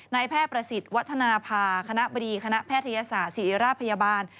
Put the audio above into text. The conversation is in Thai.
แพทย์ประสิทธิ์วัฒนภาคณะบดีคณะแพทยศาสตร์ศิริราชพยาบาล